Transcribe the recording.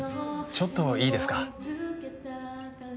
ちょっといいですか？